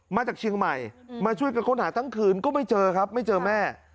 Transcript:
มาจากเชียงใหม่มาช่วยกันค้นหาทั้งคืนก็ไม่เจอครับไม่เจอแม่